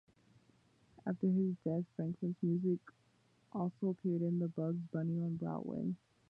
After his death, Franklyn's music also appeared in "Bugs Bunny on Broadway".